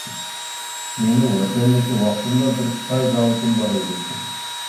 مېنىڭ ۋەتەندىكى ۋاقتىمدا بىر چاي زاۋۇتۇم بار ئىدى.